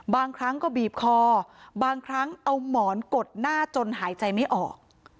บางครั้งก็บีบคอบางครั้งเอาหมอนกดหน้าจนหายใจไม่ออก